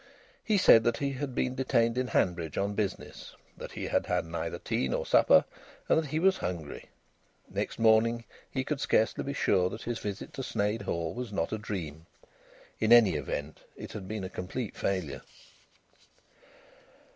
He said that he had been detained in Hanbridge on business, that he had had neither tea nor supper, and that he was hungry. Next morning he could scarcely be sure that his visit to Sneyd Hall was not a dream. In any event, it had been a complete failure.